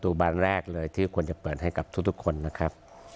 บานแรกเลยที่ควรจะเปิดให้กับทุกคนนะครับ